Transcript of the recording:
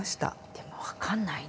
でも分かんないね。